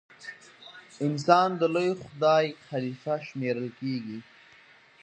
انسان د لوی خدای خلیفه شمېرل کیږي.